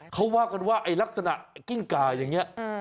เขาว่ากันว่าลักษณะกิ้งกากั้นเนี่ย